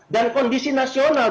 dan kondisi nasional